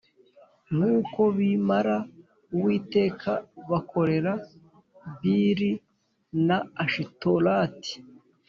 Nuko bim ra uwiteka bakorera b li na ashitaroti